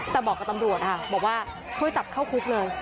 แต่บอกกับตำรวจค่ะบอกว่าช่วยจับเข้าคุกเลย